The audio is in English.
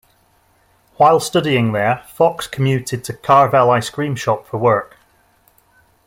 While studying there, Fox commuted to Carvel ice cream shop for work.